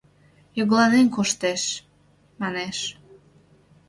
— Йогыланен коштеш! — манеш.